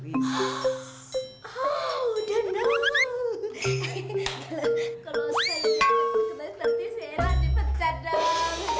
kalau saya naikin sekretaris nanti si erat dipecat dong